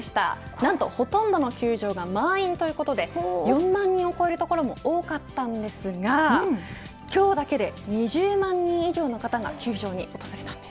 何とほとんどの球場が満員ということで４万人を超える所も多かったんですが今日だけで２０万人以上の方が球場に訪れたんです。